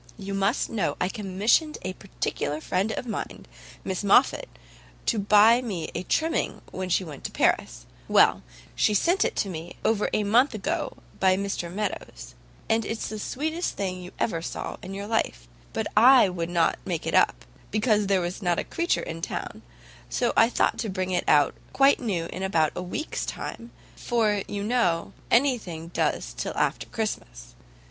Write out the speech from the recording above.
You must know I commissioned a particular friend of mine, Miss Moffat, to buy me a trimming when she went to Paris; well, she sent it me over about a month ago by Mr Meadows, and it's the sweetest thing you ever saw in your life; but I would not make it up, because there was not a creature in town, so I thought to bring it out quite new in about a week's time, for you know any thing does till after Christmas.